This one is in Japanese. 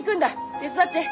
手伝って。